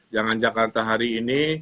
jangan jakarta hari ini